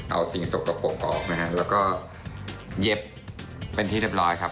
เอาสิ่งสกปรกออกนะฮะแล้วก็เย็บเป็นที่เรียบร้อยครับ